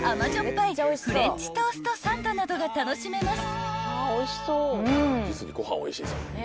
ぱいフレンチトースト・サンドなどが楽しめます］